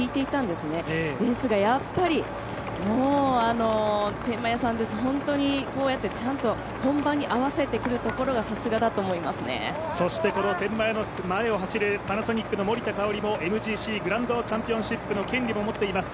ですが、やっぱり天満屋さんです、本当にこうやってちゃんと、本番に合わせてくるところが天満屋の前を走るパナソニックの森田香織もＭＧＣの権利も持っています。